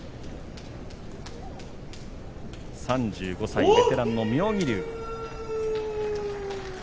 ３５歳、ベテランの妙義龍。